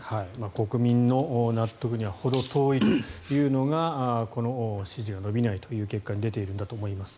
国民の納得にはほど遠いというのがこの支持が伸びない結果に出ているんだと思います。